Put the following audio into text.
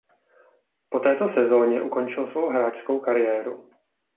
Po této sezóně ukončil svou hráčskou kariéru.